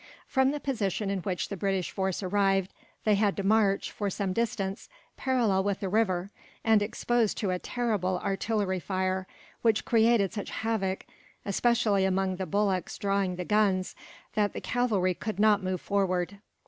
From the position in which the British force arrived they had to march, for some distance, parallel with the river; and exposed to a terrible artillery fire, which created such havoc, especially among the bullocks drawing the guns, that the cavalry could not move forward.